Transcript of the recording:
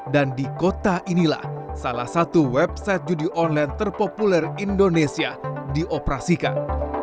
dan di kota inilah salah satu website judi online terpopuler indonesia dioperasikan